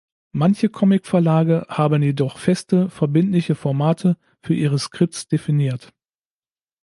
Manche Comic-Verlage haben jedoch feste, verbindliche Formate für ihre Skripts definiert.